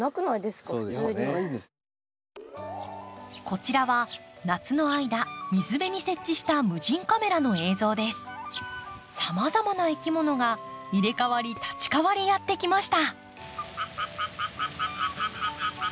こちらは夏の間水辺に設置したさまざまないきものが入れ代わり立ち代わりやって来ました。